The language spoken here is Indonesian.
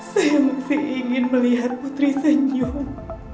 saya mungkin ingin melihat putri senyum